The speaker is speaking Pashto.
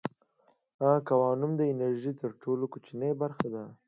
کوانوم د انرژۍ تر ټولو کوچنۍ برخه ده.